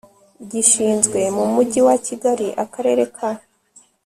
gishinzwe mu mujyi wa kigali akarere ka